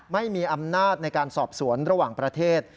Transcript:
ไม่มีอำนาจในการสอบสวนระหว่างประเทศ